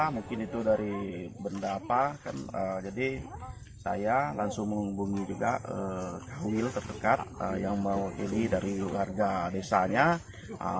mungkin itu dari benda apa jadi saya langsung menghubungi juga wil terdekat yang mewakili dari warga desanya